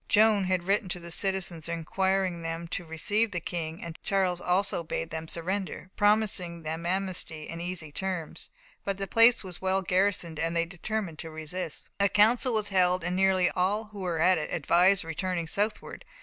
Joan had written to the citizens, requiring them to receive the King, and Charles also bade them surrender, promising them amnesty and easy terms. But the place was well garrisoned, and they determined to resist. A council was held, and nearly all who were at it advised returning southward.